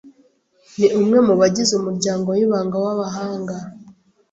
ni umwe mu bagize umuryango wibanga w'abahanga.